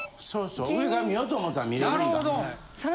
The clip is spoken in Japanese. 上から観ようと思ったら観れるんだ。